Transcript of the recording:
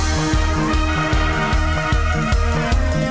สวัสดีค่ะ